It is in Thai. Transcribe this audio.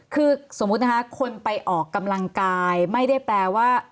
คือสมมุตินะคะคนไปออกกำลังกายไม่ได้แปลว่า